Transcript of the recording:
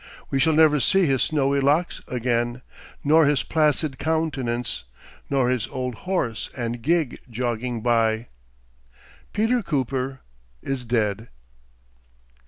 We shall never see his snowy locks again, nor his placid countenance, nor his old horse and gig jogging by. Peter Cooper is dead!"